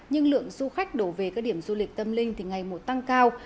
nhưng lượng du khách đổ về các điểm du lịch tâm linh thì ngày một tăng cao